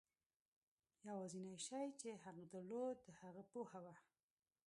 یوازېنی شی چې هغه درلود د هغه پوهه وه.